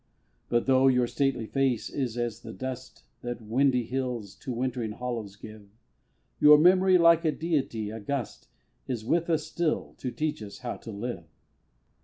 But though your stately face is as the dust That windy hills to wintering hollows give, Your memory like a deity august Is with us still, to teach us how to live.